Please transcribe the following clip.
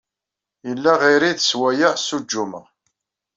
Yella ɣiri d swayeɛ ssuǧǧumeɣ.